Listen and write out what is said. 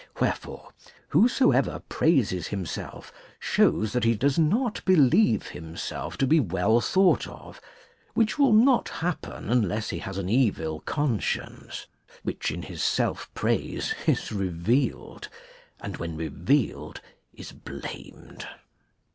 Wherefore, whosoever praises himself shows that he does not believe himself to be well thought of, which will not happen unless he has an evil conscience, which in his self praise is revealed, and when revealed is blamed.